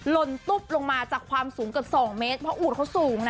ลนตุ๊บลงมาจากความสูงเกือบ๒เมตรเพราะอูดเขาสูงนะ